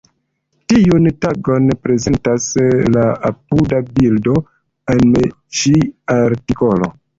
Tiun tagon prezentas la apuda bildo en ĉi artikolo.